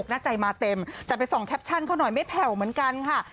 หน้าใจมาเต็มแต่ไปส่องแคปชั่นเขาหน่อยไม่แผ่วเหมือนกันค่ะ